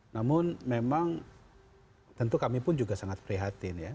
namun memang tentu kami pun juga sangat prihatin ya